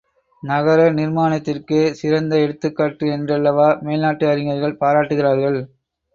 நகர நிர்மாணத்திற்கே சிறந்த எடுத்துக்காட்டு என்றல்லவா மேல்நாட்டு அறிஞர்கள் பாராட்டுகிறார்கள்.